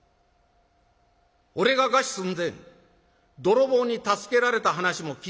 俺が餓死寸前泥棒に助けられた話も聞いたか？」。